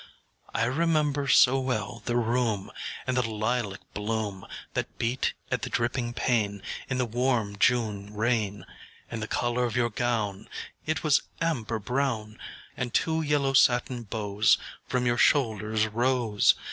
I remember so well the room, And the lilac bloom That beat at the dripping pane In the warm June rain; And the colour of your gown, It was amber brown, And two yellow satin bows From your shoulders rose.